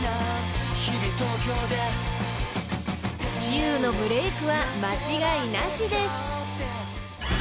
［ジュウのブレークは間違いなしです］